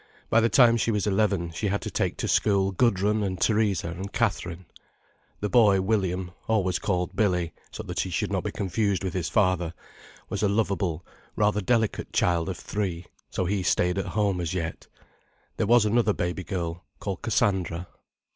By the time she was eleven, she had to take to school Gudrun and Theresa and Catherine. The boy, William, always called Billy, so that he should not be confused with his father, was a lovable, rather delicate child of three, so he stayed at home as yet. There was another baby girl, called Cassandra.